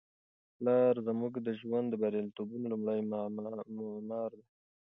پلار زموږ د ژوند د بریالیتوبونو لومړی معمار دی.